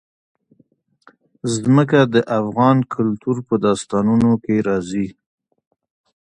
ځمکه د افغان کلتور په داستانونو کې راځي.